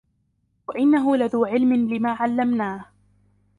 وَإِنَّهُ لَذُو عِلْمٍ لِمَا عَلَّمْنَاهُ